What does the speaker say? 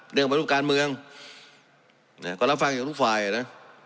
เรื่องประดูกการเมืองก็รับฟังอยู่กับทุกฝ่ายอ่ะนะ